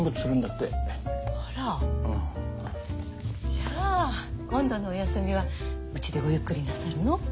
じゃあ今度のお休みは家でごゆっくりなさるの？